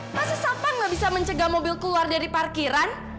masa sapa gak bisa mencegah mobil keluar dari parkiran